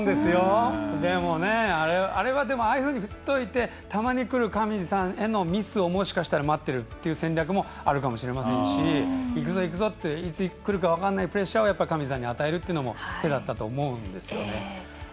あれはああいうふうに振っといてたまにくる上地さんへのミスをもしかしたら待っているという戦略もあるかもしれないしいついくか分からないプレッシャーを与えるというのも上地さんに与えるというのも手だったと思うんですよね。